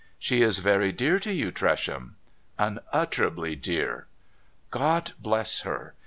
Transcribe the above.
' She is very dear to you, Tresham ?'* Unutterably dear.' ' God bless her